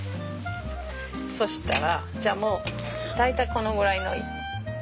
そしたらじゃあもう大体このぐらいの色。